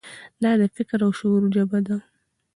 دا د فکر او شعور ژبه ده.